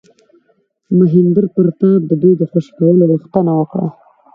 مهیندراپراتاپ د دوی د خوشي کولو غوښتنه وکړه.